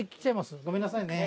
ごめんなさいね。